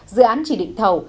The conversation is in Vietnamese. dự án chỉ định thầu